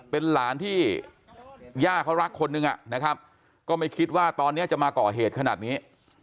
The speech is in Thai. เป็นหลานที่ย่าเขารักคนนึงนะครับก็ไม่คิดว่าตอนนี้จะมาก่อเหตุขนาดนี้